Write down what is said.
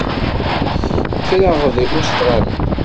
Kkreɣ-d deg Ustṛalya.